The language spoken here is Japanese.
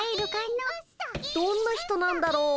どんな人なんだろう。